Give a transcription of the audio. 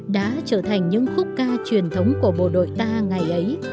đã trở thành những khúc ca truyền thống của bộ đội ta ngày ấy